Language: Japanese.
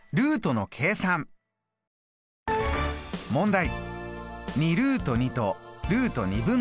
問題。